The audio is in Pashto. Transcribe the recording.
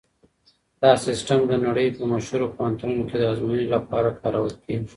دا سیسټم د نړۍ په مشهورو پوهنتونونو کې د ازموینو لپاره کارول کیږي.